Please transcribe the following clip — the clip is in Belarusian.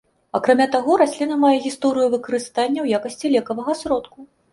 Акрамя таго, расліна мае гісторыю выкарыстання ў якасці лекавага сродку.